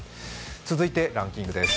続いてランキングです。